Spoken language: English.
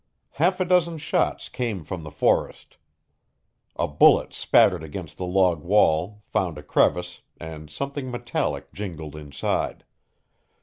Half a dozen shots came from the forest. A bullet spattered against the log wall, found a crevice, and something metallic jingled inside.